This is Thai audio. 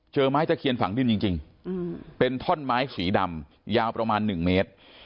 ไม้ตะเคียนฝังดินจริงเป็นท่อนไม้สีดำยาวประมาณ๑เมตร